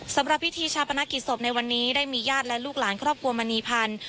สำหรับพิธีชาปนกิจศพในวันนี้ได้มีญาติและลูกหลานครอบครัวมณีพันธ์